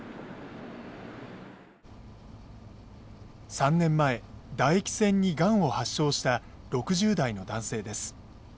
３年前唾液腺にがんを発症した６０代の男性です。